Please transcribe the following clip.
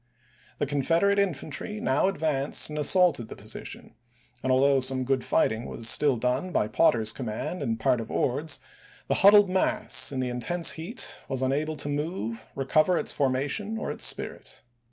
The Confederate infantry now advanced and as saulted the position, and although some good fight ing was still done by Potter's command and part of Ord's, the huddled mass, in the intense heat, was unable to move, recover its formation, or its spirit.